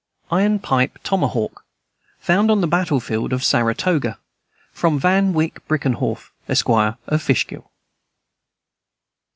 Iron pipe tomahawk, found on the battle field of Saratoga. From Van Wyck Brinkerhoff, Esq., of Fishkill.